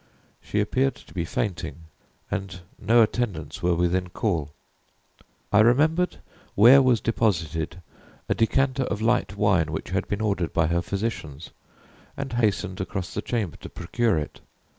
She appeared to be fainting, and no attendants were within call. I remembered where was deposited a decanter of light wine which had been ordered by her physicians, and hastened across the chamber to procure it.